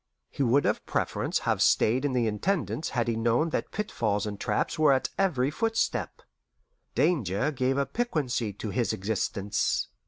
He would of preference have stayed in the Intendance had he known that pitfalls and traps were at every footstep. Danger gave a piquancy to his existence.